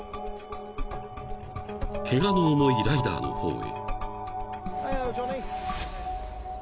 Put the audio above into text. ［ケガの重いライダーの方へ］